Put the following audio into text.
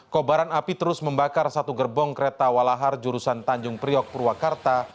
kobaran api terus membakar satu gerbong kereta walahar jurusan tanjung priok purwakarta